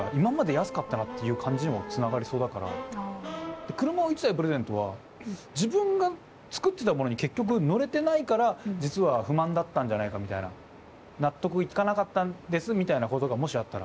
で車を１台プレゼントは自分が造ってたものに結局乗れてないから実は不満だったんじゃないかみたいな。納得いかなかったんですみたいなことがもしあったら。